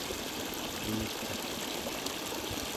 eruciq